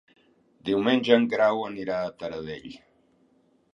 Diumenge en Grau anirà a Taradell.